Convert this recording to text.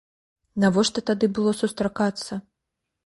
Навошта тады было сустракацца?